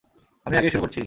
আমিই আগে শুরু করছি।